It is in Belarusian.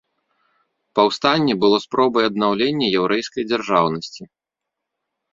Паўстанне было спробай аднаўлення яўрэйскай дзяржаўнасці.